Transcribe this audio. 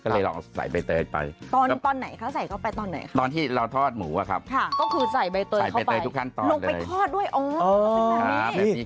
ลังมั่นกลิ่น